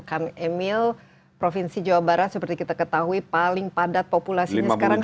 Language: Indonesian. kang emil provinsi jawa barat seperti kita ketahui paling padat populasi jawa barat